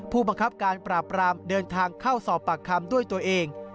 ผู้บังคับการปราบรามเดินทางเข้าสอบปากคำด้วยตัวเอง